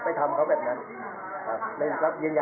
พิจารณาสนุนยาหรือหมายถามว่า